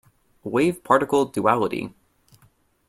Wave-particle duality.